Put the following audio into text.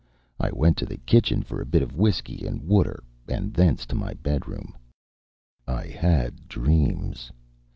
I went to the kitchen for a bit of whisky and water, and thence to my bedroom. I had dreams.